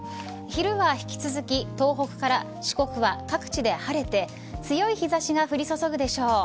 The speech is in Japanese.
昼は引き続き東北から四国は各地で晴れて強い日差しが降り注ぐでしょう。